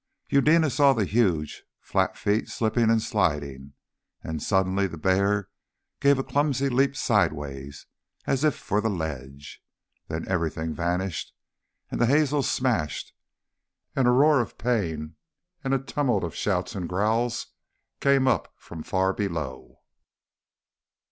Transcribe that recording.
Eudena saw the huge, flat feet slipping and sliding, and suddenly the bear gave a clumsy leap sideways, as if for the ledge. Then everything vanished, and the hazels smashed, and a roar of pain and a tumult of shouts and growls came up from far below.